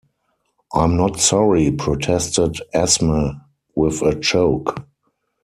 "I'm not sorry," protested Esme, with a choke.